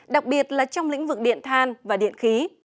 đặc biệt là trong lĩnh vực điện than và điện khí